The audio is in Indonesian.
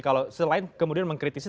kalau selain kemudian mengkritisi